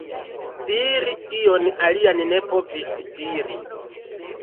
Diri ion alian ne povis diri.